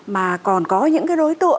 mà còn có những cái đối tượng